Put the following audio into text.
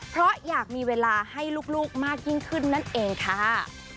เพราะอยากมีเวลาให้ลูกมากยิ่งขึ้นนั่นเองค่ะ